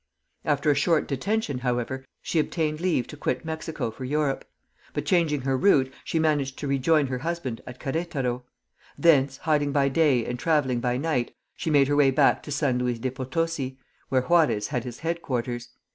After a short detention, however, she obtained leave to quit Mexico for Europe; but changing her route, she managed to rejoin her husband at Queretaro. Thence, hiding by day and travelling by night, she made her way back to San Luis de Potosi, where Juarez had his headquarters.